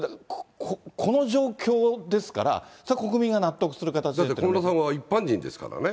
この状況ですから、国民が納得すだって小室さんは一般人ですからね。